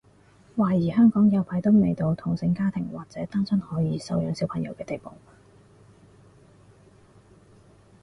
懷疑香港有排都未到同性家庭或者單親可以收養小朋友嘅地步